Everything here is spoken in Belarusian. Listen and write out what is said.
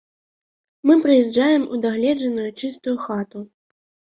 Мы прыязджаем у дагледжаную чыстую хату.